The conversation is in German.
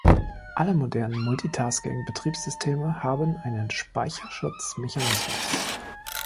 Alle modernen Multitasking-Betriebssysteme haben einen Speicherschutz-Mechanismus.